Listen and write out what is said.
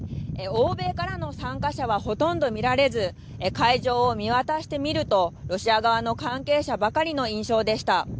欧米からの参加者はほとんど見られず会場を見渡して見るとロシア側の関係者ばかりの印象でした。